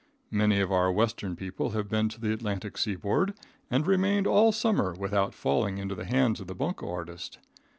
Many of our Western people have been to the Atlantic seaboard and remained all summer without falling into the hands of the bunko artist.